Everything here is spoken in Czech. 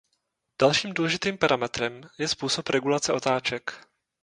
Dalším důležitým parametrem je způsob regulace otáček.